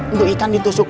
untuk ikan ditusuk